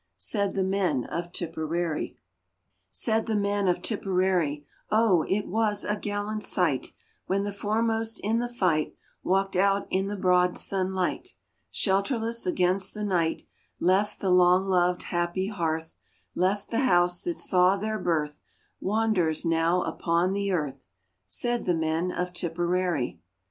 " Said the men of Tipperary. Said the men of Tipperary :" Oh, it was a gallant sight When the foremost in the fight Walked out in the broad sunlight Shelterless against the night ; Left the long loved happy hearth, Left the house that saw their birth, Wanderers now upon the earth," Said the men of Tipperary.